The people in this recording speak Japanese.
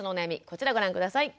こちらご覧下さい。